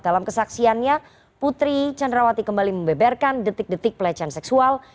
dalam kesaksiannya putri candrawati kembali membeberkan detik detik pelecehan seksual